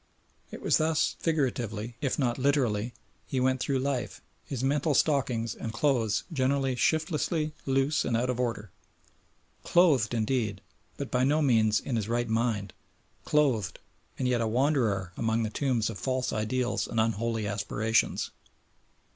It was thus, figuratively, if not literally, he went through life, his mental stockings and clothing generally shiftlessly loose and out of order. "Clothed" indeed, but by no means "in his right mind," "clothed" and yet a wanderer among the tombs of false ideals and unholy aspirations.